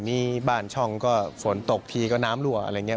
นี่บ้านช่องก็ฝนตกทีก็น้ำรั่วอะไรอย่างนี้